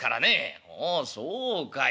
「ああそうかい。